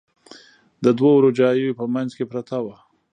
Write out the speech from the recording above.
د دوو روجاییو په منځ کې پرته وه.